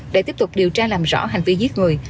để tiếp tục điều tra làm rõ hành vi giết người